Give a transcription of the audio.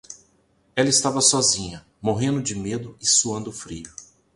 Ela estava sozinha, morrendo de medo e suando frio.